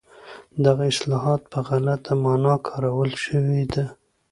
دغه اصطلاح په غلطه مانا کارول شوې ده.